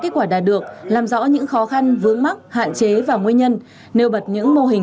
kết quả đạt được làm rõ những khó khăn vướng mắc hạn chế và nguyên nhân nêu bật những mô hình